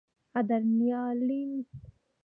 ادرانالین خطر کې زیاتېږي.